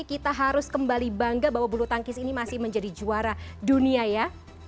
kita harus kembali bangga bahwa bulu tangkis ini masih menjadi juara dunia ya